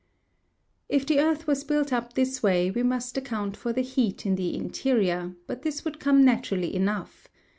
If the earth was built up this way we must account for the heat in the interior, but this would come naturally enough.